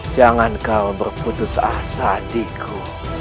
jangan kau berputus asa diku